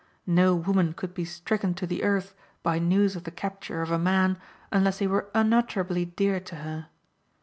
No woman could be stricken to the earth by news of the capture of a man unless he were unutterably dear to her.